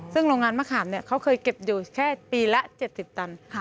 ซึ่งโรงงานมะขามเขาเคยเก็บอยู่แค่ปีละ๗๐ตัน